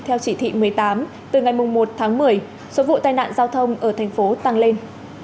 theo chỉ thị một mươi tám từ ngày một tháng một mươi số vụ tai nạn giao thông ở thành phố tăng lên